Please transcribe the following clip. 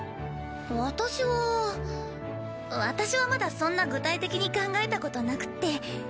私は私はまだそんな具体的に考えたことなくって。